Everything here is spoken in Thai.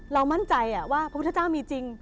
มั่นใจว่าพระพุทธเจ้ามีจริง